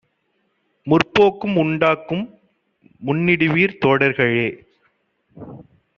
முற்போக்கும் உண்டாகும் முன்னிடுவீர் தோழர்களே!